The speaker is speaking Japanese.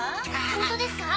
ホントですか？